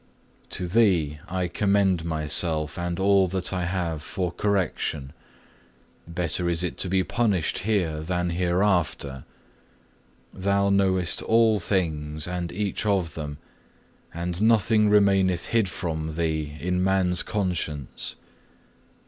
To Thee I commend myself and all that I have for correction; better is it to be punished here than hereafter. Thou knowest all things and each of them; and nothing remaineth hid from Thee in man's conscience.